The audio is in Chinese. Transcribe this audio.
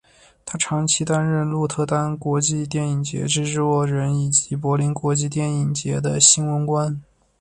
他长期担任鹿特丹国际电影节制作人以及柏林国际电影节的新闻官。